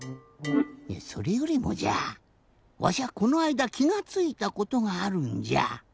それよりもじゃわしはこのあいだきがついたことがあるんじゃ。